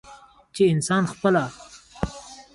چې انسان خپله